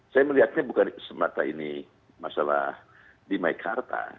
saya melihatnya bukan semata ini masalah di meikarta